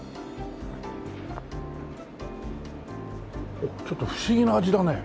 おっちょっと不思議な味だね。